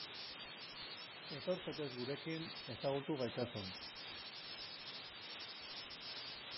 Etor zaitez gurekin, ezagutu gaitzazun.